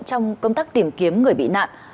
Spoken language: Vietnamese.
trong công tác tìm kiếm người bị nạn